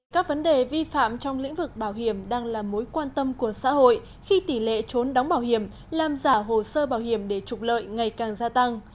các vấn đề vi phạm trong lĩnh vực bảo hiểm đang là mối quan tâm của xã hội khi tỷ lệ trốn đóng bảo hiểm làm giả hồ sơ bảo hiểm để trục lợi ngày càng gia tăng